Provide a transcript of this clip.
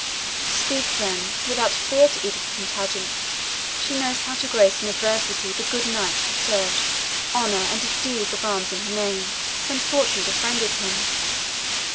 Speak, then, without fear to Edith Plantagenet. She knows how to grace in adversity the good knight who served, honoured, and did deeds of arms in her name, when fortune befriended him.